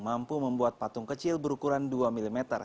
mampu membuat patung kecil berukuran dua mm